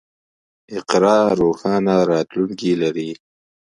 اقرا روښانه راتلونکی لري.